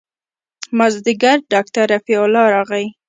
مازديګر ډاکتر رفيع الله راغى.